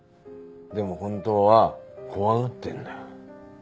でも本当は怖がってんだ。